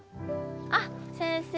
あっ先生